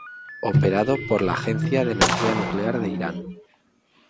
Operado por la Agencia de Energía Nuclear de Irán.